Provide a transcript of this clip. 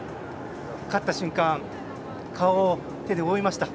勝った瞬間顔を手で覆いました。